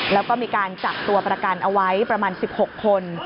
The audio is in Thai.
แล้วก็มีการจับตัวประกันเอาไว้ประมาณ๑๖คน